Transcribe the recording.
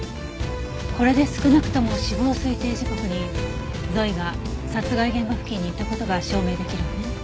これで少なくとも死亡推定時刻にゾイが殺害現場付近にいた事が証明できるわね。